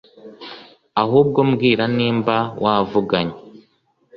ahubwo mbwira nimba wavuganye